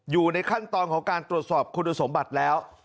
อยู่ในขั้นตอนของการตรวจสอบคุณสมบัติแล้ว